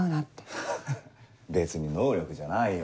ハハ別に能力じゃないよ。